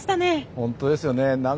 本当ですよね。